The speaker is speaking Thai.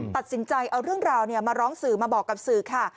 ตัดสินใจเอาเรื่องราวมาร้องสื่อมาบอกกับสื่อค่ะ